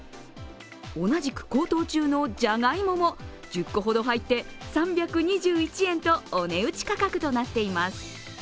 同じく高騰中のじゃがいもも１０個ほど入って３２１円と、お値打ち価格となっています。